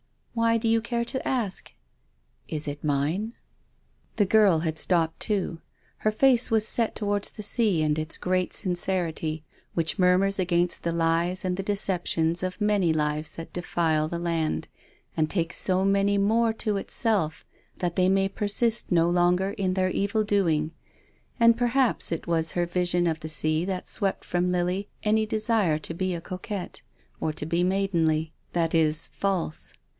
"Why do you care to ask?" " Is it mine ?" The girl had stopped too. Her face was set towards the sea and its great sincerity, which murmurs against the lies and the deceptions of many lives that defile the land, and takes so many THE DEAD CHILD. 217 more to itself that they may persist no longer in their evil doing. And perhaps it was her vis ion of the sea that swept from Lily any desire to be a coquette, or to be maidenly, — that is, false.